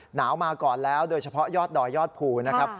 หนาวมาก่อนแล้วโดยเฉพาะยอดดอยยอดภูนะครับ